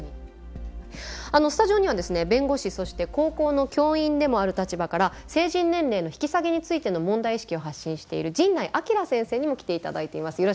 スタジオにはですね弁護士そして高校の教員でもある立場から成人年齢の引き下げについての問題意識を発信している神内聡先生にも来ていただいています。